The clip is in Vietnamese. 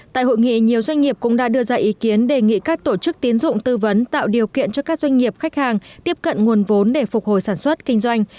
tại hội nghị nhiều doanh nghiệp cũng đã đưa ra ý kiến đề nghị các tổ chức tiến dụng tư vấn tạo điều kiện cho các doanh nghiệp khách hàng tiếp cận nguồn vốn để phục hồi sản xuất kinh doanh